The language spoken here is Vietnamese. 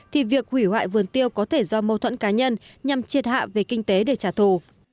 thì việc hủy hoại vườn tiêu có thể do mâu thuẫn cá nhân nhằm triệt hạ về kinh tế để trả thù